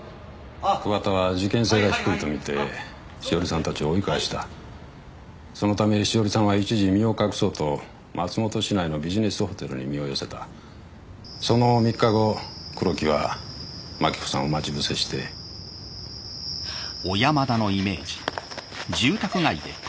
桑田は事件性が低いとみて栞さんたちを追い返したそのため栞さんは一時身を隠そうと松本市内のビジネスホテルに身を寄せたその３日後黒木は真紀子さんを待ち伏せしてあっ⁉ちょっと！